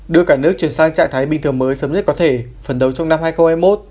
đưa cả nước chuyển sang trạng thái bình thường mới sớm nhất có thể phần đầu trong năm hai nghìn hai mươi một